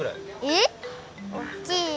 えっ！